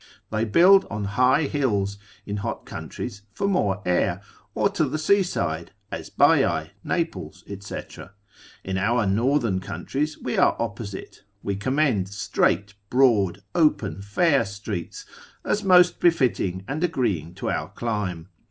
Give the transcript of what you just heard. They build on high hills, in hot countries, for more air; or to the seaside, as Baiae, Naples, &c. In our northern countries we are opposite, we commend straight, broad, open, fair streets, as most befitting and agreeing to our clime.